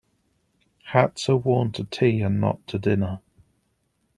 Hats are worn to tea and not to dinner.